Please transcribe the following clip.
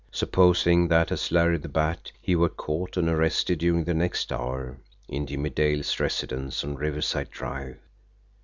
Supposing that, as Larry the Bat, he were caught and arrested during the next hour, in Jimmie's Dale's residence on Riverside Drive!